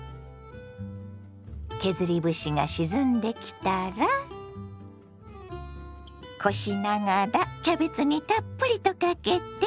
削り節が沈んできたらこしながらキャベツにたっぷりとかけて。